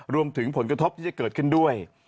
รวมถึงผลกระทบที่จะเกิดขึ้นด้วย